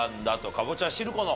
かぼちゃしるこの方。